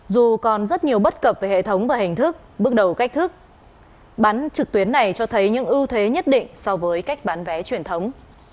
dù còn rất nhiều bất cập về hệ thống và hình thức bước đầu cách thức bán trực tuyến này cho thấy những ưu thế nhất định so với cách bán vé truyền thống